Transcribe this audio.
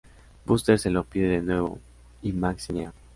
Buster se lo pide de nuevo y Max se niega.